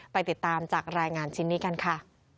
ไปติดตามจากรายงานชิ้นนี้กันค่ะ